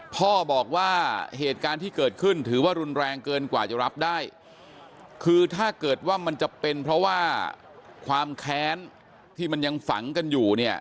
พ่อบอกว่าเหตุการณ์ที่เกิดขึ้นถือว่ารุนแรงเกินกว่าจะรับได้คือถ้าเกิดว่ามันจะเป็นเพราะว่าความแค้นที่มันยังฝังกันอยู่เนี่ย